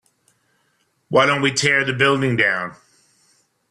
why don't we tear the building down?